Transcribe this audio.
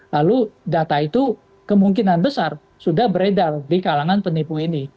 lalu data itu kemungkinan besar sudah beredar di kalangan penipu ini